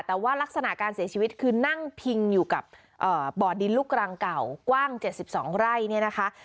แต่ว่ารักษณะการเสียชีวิตคือนั่งพิงอยู่กับบ่อดินลูกรังเก่ากว้าง๗๒ไร่เนี่ยนะคะ